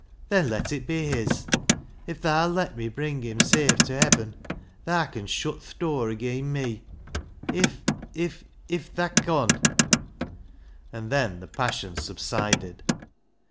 Then let it be his. If Tha'll let me bring him safe to heaven, Thaa can shut th' dur ageean me — if — if — if Thaa con!' And then the passion subsided.